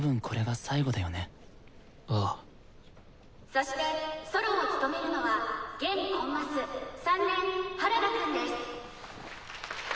そしてソロを務めるのは現コンマス３年原田くんです。